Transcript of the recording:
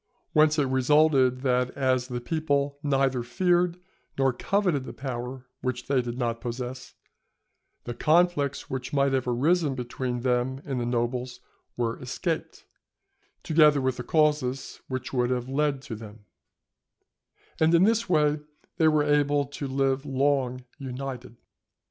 Whence it resulted that as the people neither feared nor coveted the power which they did not possess, the conflicts which might have arisen between them and the nobles were escaped, together with the causes which would have led to them; and in this way they were able to live long united.